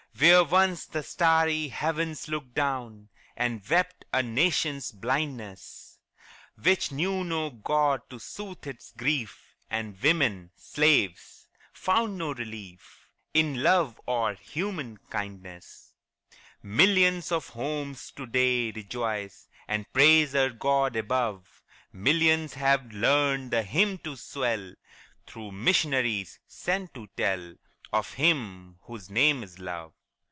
Where once the starry heavens looked down, And wept a nation's blindness, Which knew no God to soothe its grief, And women slaves! found no relief In love or human kindness, Millions of homes to day rejoice And praise our God above; Millions have learned the hymn to swell, Through missionaries, sent to tell Of Him whose name is Love.